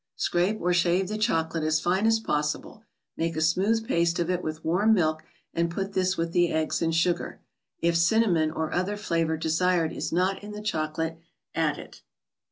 Scrape or shave the chocolate as fine as possible; make a smooth paste of it with warm milk, and put this with the eggs and sugar. If cinnamon, or other flavor desired, is not in the chocolate, add it.